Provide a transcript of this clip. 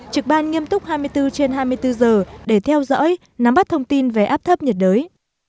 trực ban nghiêm túc hai mươi bốn trên hai mươi bốn giờ để theo dõi nắm bắt thông tin về áp thấp nhiệt đới